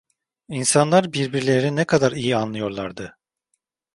İnsanlar birbirlerini ne kadar iyi anlıyorlardı.